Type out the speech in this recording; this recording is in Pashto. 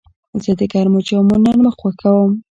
زه د ګرمو جامو نرمښت خوښوم.